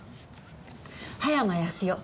葉山康代。